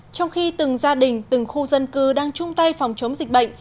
trong khi từng gia đình từng khu dân cư đang chung tay phòng chống dịch bệnh